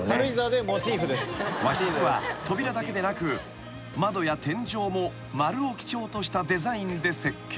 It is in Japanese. ［和室は扉だけでなく窓や天井も円を基調としたデザインで設計］